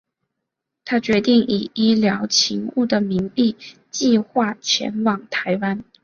他决定以医疗勤务的名义计画前往台湾。